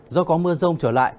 do có mưa rông trở lại